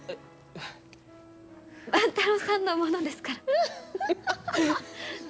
万太郎さんのものですから。